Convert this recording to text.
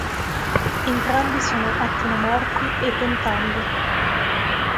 Entrambi sono attinomorfi e pentameri.